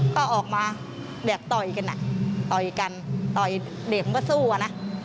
ก็ออกมาแบบต่อยกันต่อยเด็กมันก็สู้นะ